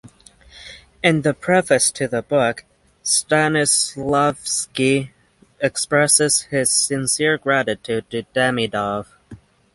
In the preface to the book Stanislavsky expresses his sincere gratitude to Demidov.